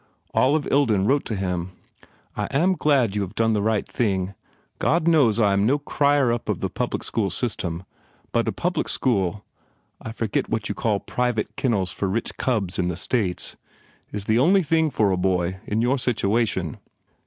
Olive Ilden wrote to him: "I am glad you have done the right thing. God knows I am no cryer up of the Public School System. But a Public School (I forget what you call private kennels for rich cobs in tie States) is the only thing for the boy, in your situation.